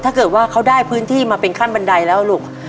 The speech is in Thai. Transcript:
ถ้าเกิดว่าเขาได้พื้นที่มาเป็นขั้นบันไดแล้วลูก